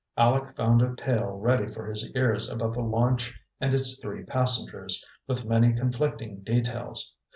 Aleck found a tale ready for his ears about the launch and its three passengers, with many conflicting details.